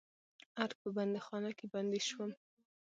ارګ په بندیخانه کې بندي شوم.